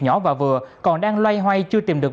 nhỏ và vừa còn đang loay hoay chưa tìm được